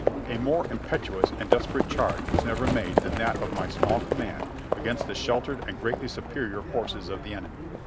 A more impetuous and desperate charge was never n;ade than that of my small command against the sheltered and greatly superior forces of the enemy.